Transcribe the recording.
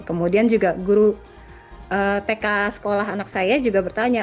kemudian juga guru tk sekolah anak saya juga bertanya